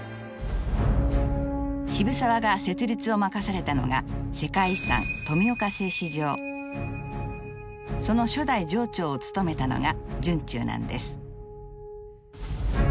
渋沢が設立を任されたのがその初代場長を務めたのが惇忠なんです。